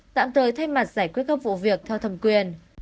tạm thời thay mặt giải quyết các vụ việc theo thẩm quyền